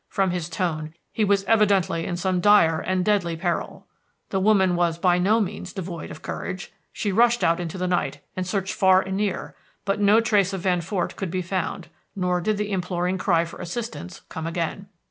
From his tone, he was evidently in some dire and deadly peril. The woman was by no means devoid of courage; she rushed out into the night and searched far and near, but no trace of Van Fort could be found, nor did the imploring cry for assistance come again.